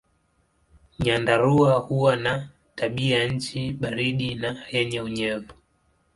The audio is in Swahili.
Nyandarua huwa na tabianchi baridi na yenye unyevu.